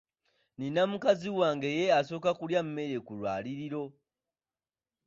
Nnina mukazi wange ye asooka okulya emmere ku lwaliiro.